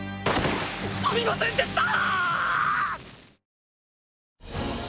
すみませんでした！